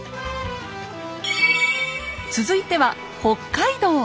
続いては北海道。